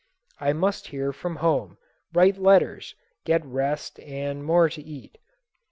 I must hear from home, write letters, get rest and more to eat.